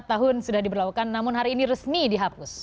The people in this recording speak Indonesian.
empat tahun sudah diberlakukan namun hari ini resmi dihapus